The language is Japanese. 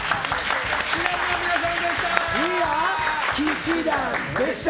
氣志團の皆さんでした！